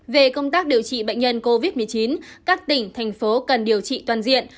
về công tác điều trị bệnh nhân covid một mươi chín các tỉnh thành phố cần điều trị toàn diện